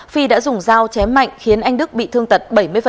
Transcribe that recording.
phi đã dùng dao chém mạnh khiến anh đức bị thương tật bảy mươi